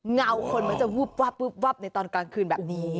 เงาคนมันจะวุบวาบสติในตอนกลางคืนมามี